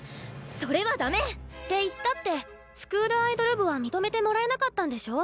それはダメ！って言ったってスクールアイドル部は認めてもらえなかったんでしょ？